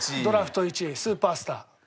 ドラフト１位スーパースター